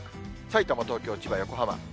さいたま、東京、千葉、横浜。